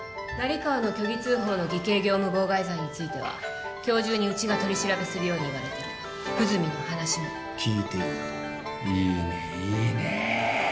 成川の虚偽通報の偽計業務妨害罪については今日中にうちが取り調べするように言われてる久住の話も聞いていいいいねいいねえ